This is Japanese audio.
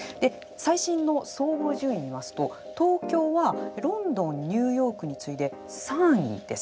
最新の総合順位を見ますと東京はロンドン、ニューヨークに次いで３位です。